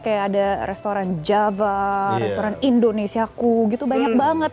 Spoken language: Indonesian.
kayak ada restoran java restoran indonesiaku gitu banyak banget